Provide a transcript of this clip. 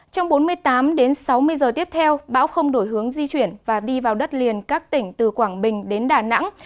trong bốn mươi tám đến sáu mươi giờ tiếp theo bão không đổi hướng di chuyển và đi vào đất liền các tỉnh từ quảng bình đến đà nẵng